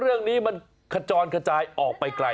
เพื่อนเอาของมาฝากเหรอคะเพื่อนมาดูลูกหมาไงหาถึงบ้านเลยแหละครับ